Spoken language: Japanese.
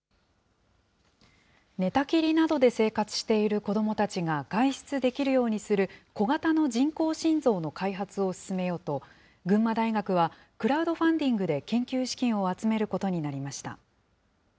寝たきりなどで生活している子どもたちが外出できるようにする小型の人工心臓の開発を進めようと、群馬大学はクラウドファンディングで研究資金を集めることになりました。